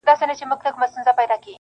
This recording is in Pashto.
اوس معلومه سوه چي دا سړی پر حق دی.